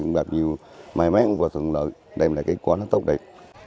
cũng bạc nhiều may mắn và thuận lợi đem lại kết quả tốt đẹp